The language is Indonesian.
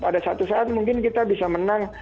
pada satu saat mungkin kita bisa menang